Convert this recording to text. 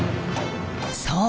そう。